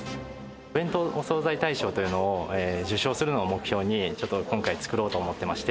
弁当・お惣菜大賞というのを受賞するのを目標に、ちょっと今回、作ろうと思ってまして。